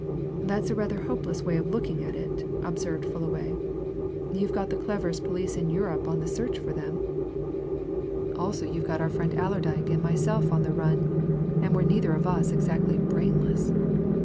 "That's a rather hopeless way of looking at it," observed Fullaway. "You've got the cleverest police in Europe on the search for them; also you've got our friend Allerdyke and myself on the run, and we're neither of us exactly brainless.